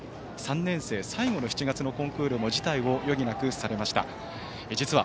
３年生最後の７月のコンクールも辞退を余儀なくされました。